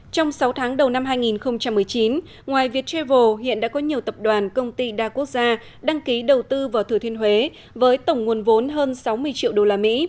trong sáu tháng đầu năm hai nghìn một mươi chín ngoài viettravel hiện đã có nhiều tập đoàn công ty đa quốc gia đăng ký đầu tư vào thừa thiên huế với tổng nguồn vốn hơn sáu mươi triệu usd